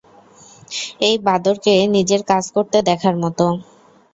এটা বাদরকে নিজের কাজ করতে দেখার মতো।